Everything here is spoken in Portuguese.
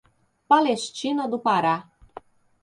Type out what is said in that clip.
Palestina do Pará